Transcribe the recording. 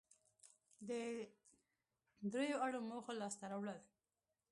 د درېواړو موخو لاسته راوړل